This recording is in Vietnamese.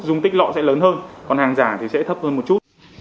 dung tích lọ sẽ lớn hơn còn hàng giả thì sẽ thấp hơn một chút